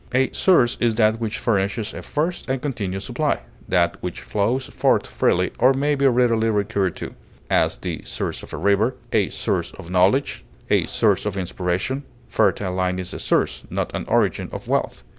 A source is that which furnishes a first and continuous supply, that which flows forth freely or may be readily recurred to; as, the source of a river; a source of knowledge; a source of inspiration; fertile land is a source (not an origin) of wealth.